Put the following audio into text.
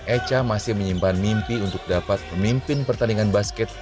echa masih menyimpan mimpi untuk dapat memimpin pertandingan basket